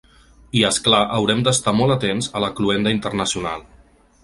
I, és clar, haurem d’estar molt atents a la cloenda internacional.